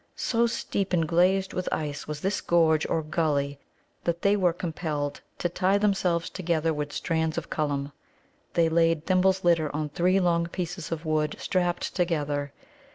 So steep and glazed with ice was this gorge or gully that they were compelled to tie themselves together with strands of Cullum. They laid Thimble's litter on three long pieces of wood strapped together.